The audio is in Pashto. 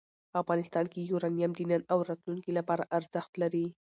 افغانستان کې یورانیم د نن او راتلونکي لپاره ارزښت لري.